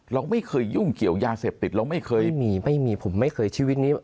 เราไม่เคยยุ่งเกี่ยวยาเสพติดเราไม่เคยไม่มีไม่มีผมไม่เคยชีวิตนี้